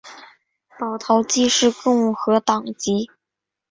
保陶基是共和党籍。